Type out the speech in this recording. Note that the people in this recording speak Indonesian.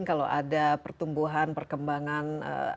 ada pertumbuhan perkembangan